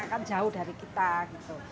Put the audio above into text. kan jauh dari kita gitu